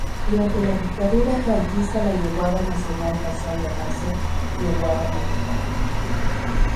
Durante la dictadura franquista la yeguada nacional pasó a llamarse yeguada militar.